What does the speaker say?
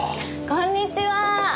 こんにちは！